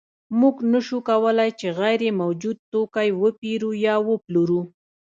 موږ نشو کولی چې غیر موجود توکی وپېرو یا وپلورو